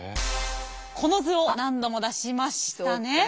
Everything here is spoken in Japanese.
この図を何度も出しましたね。